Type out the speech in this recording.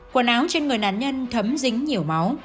quần áo trên người nạn nhân thấm dính nhiều máu